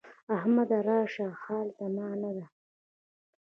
احمد راشه حال زمانه ده.